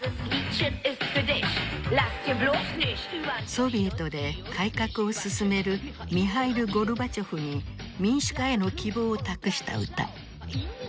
ソビエトで改革を進めるミハイル・ゴルバチョフに民主化への希望を託した歌。